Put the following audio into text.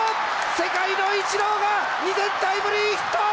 世界のイチローが２点タイムリーヒット！